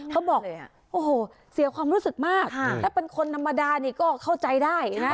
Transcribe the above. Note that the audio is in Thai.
เขาบอกโอ้โหเสียความรู้สึกมากถ้าเป็นคนธรรมดานี่ก็เข้าใจได้นะ